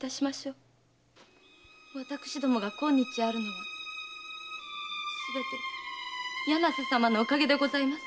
私どもが今日あるのはすべて柳瀬様のお陰でございます。